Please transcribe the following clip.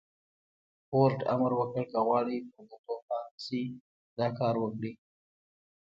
فورډ امر وکړ که غواړئ پر دندو پاتې شئ دا کار وکړئ.